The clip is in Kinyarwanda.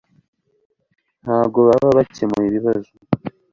ntabwo baba bakemuye ibibazo